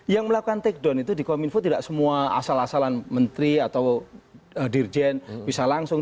yang melakukan take down itu di kominfo tidak semua asal asalan menteri atau dirjen bisa langsung